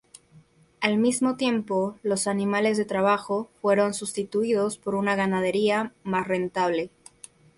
Al mismo tiempo, los animales de trabajo fueron sustituidos por una ganadería más rentable.